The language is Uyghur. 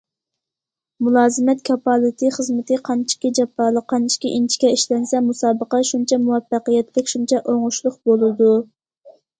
مۇلازىمەت كاپالىتى خىزمىتى قانچىكى جاپالىق، قانچىكى ئىنچىكە ئىشلەنسە، مۇسابىقە شۇنچە مۇۋەپپەقىيەتلىك، شۇنچە ئوڭۇشلۇق بولىدۇ.